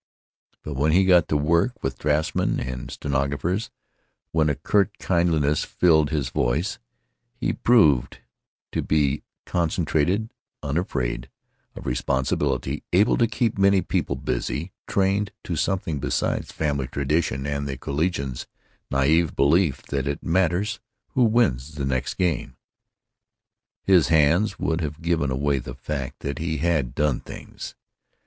But when he got to work with draftsman and stenographers, when a curt kindliness filled his voice, he proved to be concentrated, unafraid of responsibility, able to keep many people busy; trained to something besides family tradition and the collegians' naïve belief that it matters who wins the Next Game. His hands would have given away the fact that he had done things.